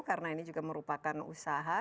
karena ini juga merupakan usaha